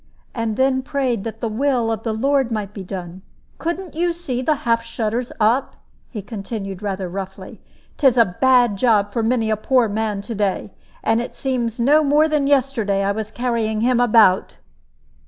and then prayed that the will of the Lord might be done. "Couldn't you see the half shutters up?" he continued, rather roughly. "'Tis a bad job for many a poor man to day. And it seems no more than yesterday I was carrying him about!"